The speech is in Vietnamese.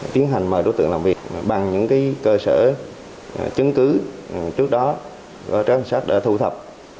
tiến hành mời đối tượng làm việc bằng những cơ sở chứng cứ trước đó các trinh sát đã thu thập